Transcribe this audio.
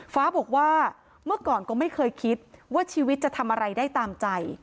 ฟ้าบอกว่าเมื่อก่อนก็ไม่เคยคิดว่าชีวิตจะทำอะไรได้ตามใจ